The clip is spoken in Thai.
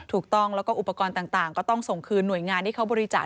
ถูกต้องแล้วก็อุปกรณ์ต่างก็ต้องส่งคืนหน่วยงานที่เขาบริจาค